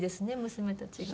娘たちが。